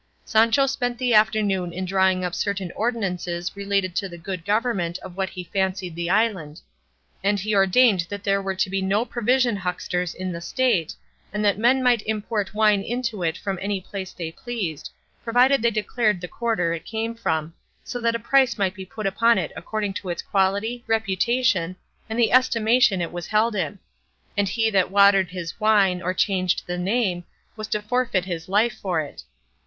Sancho spent the afternoon in drawing up certain ordinances relating to the good government of what he fancied the island; and he ordained that there were to be no provision hucksters in the State, and that men might import wine into it from any place they pleased, provided they declared the quarter it came from, so that a price might be put upon it according to its quality, reputation, and the estimation it was held in; and he that watered his wine, or changed the name, was to forfeit his life for it.